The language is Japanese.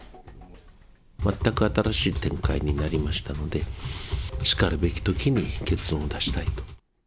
全く新しい展開になりましたので、しかるべきときに結論を出したいと。